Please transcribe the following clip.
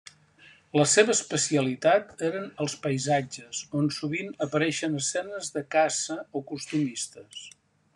La seva especialitat eren els paisatges, on sovint apareixen escenes de caça o costumistes.